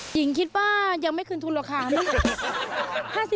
หญิงคิดว่ายังไม่คืนทุนหรอกค่ะ